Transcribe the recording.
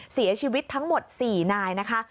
เสียชีวิตทั้งหมด๔นายนะคะ